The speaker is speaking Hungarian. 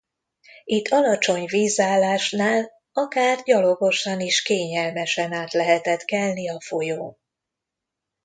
Itt alacsony vízállásnál akár gyalogosan is kényelmesen át lehetett kelni a folyón.